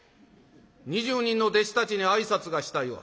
２０人の弟子たちに挨拶がしたいわ」。